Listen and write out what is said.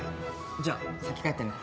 じゃ先帰ってんね。